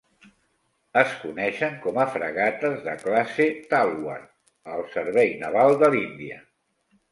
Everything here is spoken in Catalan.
Es coneixen com a fragates de classe "Talwar" al servei naval de l'Índia.